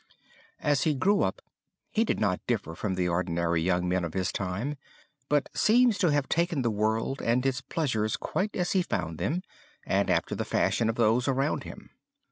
As he grew up he did not differ from the ordinary young man of his time, but seems to have taken the world and its pleasures quite as he found them and after the fashion of those around him.